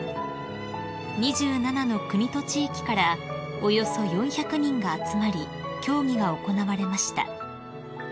［２７の国と地域からおよそ４００人が集まり競技が行われました］